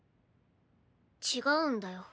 違うんだよ。